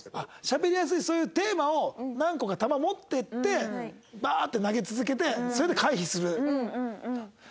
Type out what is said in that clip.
しゃべりやすいそういうテーマを何個か球を持っていってバーッて投げ続けてそれで回避する。